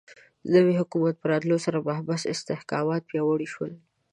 د نوي حکومت په راتلو سره د محبس استحکامات پیاوړي شول.